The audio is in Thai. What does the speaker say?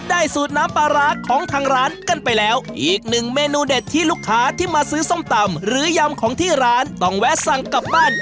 สูตรน้ำปลาร้าของทางร้านกันไปแล้วอีกหนึ่งเมนูเด็ดที่ลูกค้าที่มาซื้อส้มตำหรือยำของที่ร้านต้องแวะสั่งกลับบ้าน